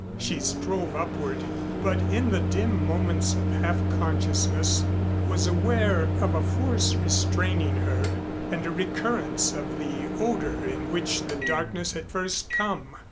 She strove upward, but in the dim moments of half consciousness was aware of a force restraining her and a recurrence of the odor in which the darkness had first come.